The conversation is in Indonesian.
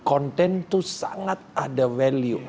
content tuh sangat ada value